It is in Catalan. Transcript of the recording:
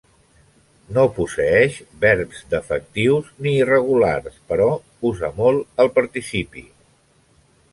No posseeix verbs defectius ni irregulars, però usa molt el participi.